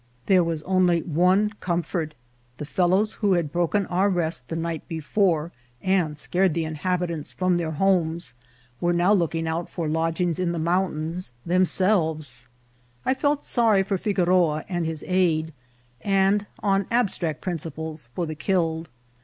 There was 8 86 INCIDENTS OF TRAVEL. only one comfort : the fellows who had broken our rest the night before, and scared the inhabitants from their homes, were now looking out for lodgings in the mount ains themselves. I felt sorry for Figoroa and his aid, and, on abstract principles, for the killed.